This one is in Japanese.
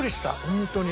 ホントに。